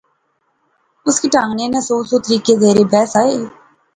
اس کی ٹہنگے نے سو سو طریقے زیر بحث آئے